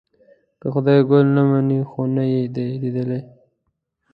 که خدای ګل نه مني خو نه یې دی لیدلی.